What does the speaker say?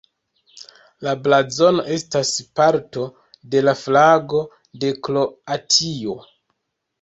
La blazono estas parto de la flago de Kroatio.